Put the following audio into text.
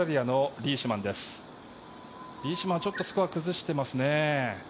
リーシュマンはちょっとスコアを崩してますね